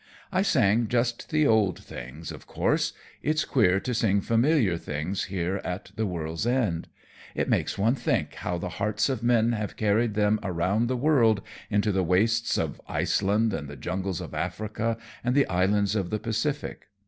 I sang just the old things, of course. It's queer to sing familiar things here at the world's end. It makes one think how the hearts of men have carried them around the world, into the wastes of Iceland and the jungles of Africa and the islands of the Pacific.